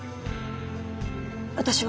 私は？